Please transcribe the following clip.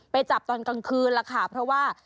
ไปจับตอนกลางคืนแล้วค่ะเพราะว่า